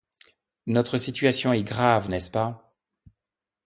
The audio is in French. Notre situation est grave, n'est-ce pas ?